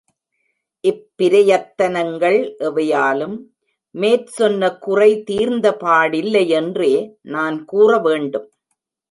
இப் பிரயத்தனங்கள் எவையாலும் மேற்சொன்ன குறை தீர்ந்தபாடில்லை யென்றே நான் கூற வேண்டும்.